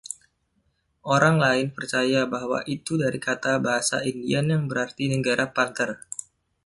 Orang lain percaya bahwa itu dari kata bahasa Indian yang berarti ‘negara panter’.